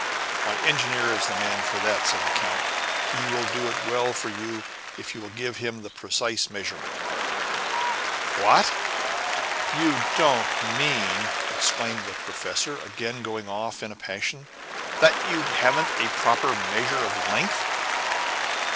"My engineer is the man for that," said the count; "he will do it well for you if you will give him the precise measurement." "What! you don't mean," exclaimed the professor, again going off into a passion, "that you haven't a proper measure of length?"